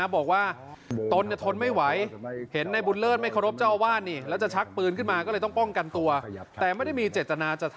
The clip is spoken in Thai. น่ะบอกว่าจะทนไม่ไหวเห็นในบุญเลิศ